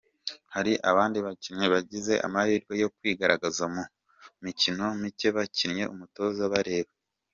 Hari abandi bakinnyi bagize amahirwe yo kwigaragaza mu mikino micye bakinnye umutoza abareba.